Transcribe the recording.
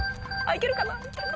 いけるかな？